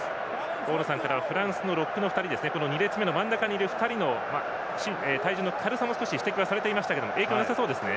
大野さんからはフランスのロックの２人２列目の真ん中にいる選手の体重の軽さも指摘されていましたが影響はなさそうですね。